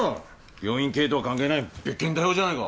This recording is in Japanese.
病院経営とは関係ない別件逮捕じゃないか。